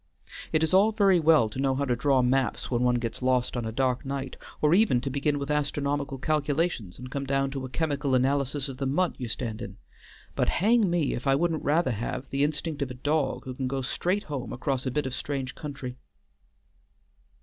It is all very well to know how to draw maps when one gets lost on a dark night, or even to begin with astronomical calculations and come down to a chemical analysis of the mud you stand in, but hang me if I wouldn't rather have the instinct of a dog who can go straight home across a bit of strange country.